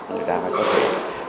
người ta có thể